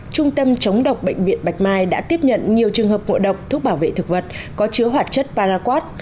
trung tâm chống độc bệnh viện bạch mai đã tiếp nhận nhiều trường hợp ngộ độc thuốc bảo vệ thực vật có chứa hoạt chất paraquad